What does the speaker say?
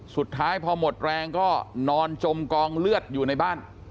สุดท้ายพอหมดแรงก็นอนจมกองเลือดอยู่ในบ้าน